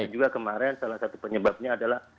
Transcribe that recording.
juga kemarin salah satu penyebabnya adalah